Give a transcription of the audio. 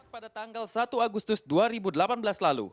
pada tanggal satu agustus dua ribu delapan belas lalu